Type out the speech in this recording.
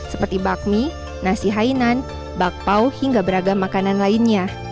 seperti bakmi nasi hainan bakpao hingga beragam makanan lainnya